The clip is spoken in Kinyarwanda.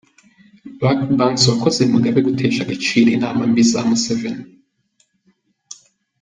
Lwasa Banks : “Wakoze Mugabe gutesha agaciro inama mbi za Museveni”.